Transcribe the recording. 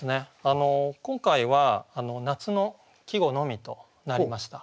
今回は夏の季語のみとなりました。